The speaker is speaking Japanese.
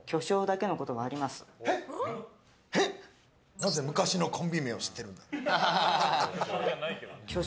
なぜ昔のコンビ名を知ってるんだ。